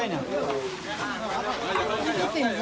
สีได้แน่วสีได้แน่ว